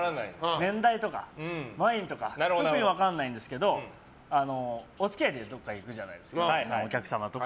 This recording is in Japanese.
年代とか、ワインとか特に分からないんですけどお付き合いでどこか行くじゃないですかお客様とか。